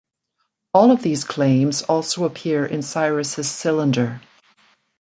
All of these claims also appear in Cyrus's Cylinder.